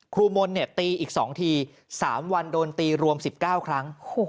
มนต์ตีอีก๒ที๓วันโดนตีรวม๑๙ครั้ง